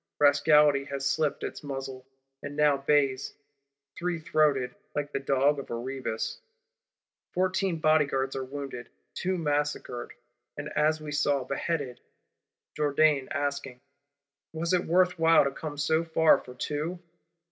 Rascality has slipped its muzzle; and now bays, three throated, like the Dog of Erebus. Fourteen Bodyguards are wounded; two massacred, and as we saw, beheaded; Jourdan asking, 'Was it worth while to come so far for two?